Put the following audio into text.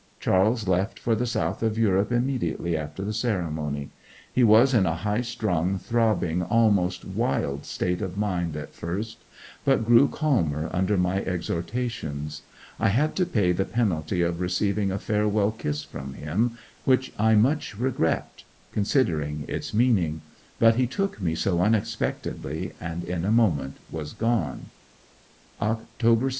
Charles left for the South of Europe immediately after the ceremony. He was in a high strung, throbbing, almost wild state of mind at first, but grew calmer under my exhortations. I had to pay the penalty of receiving a farewell kiss from him, which I much regret, considering its meaning; but he took me so unexpectedly, and in a moment was gone. Oct. 6.